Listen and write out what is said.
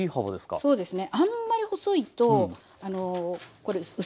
あっそうですね。